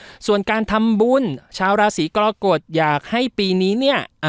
ส่วนการทำบุญชาวราศีกรกฎอยากให้ปีนี้เนี่ย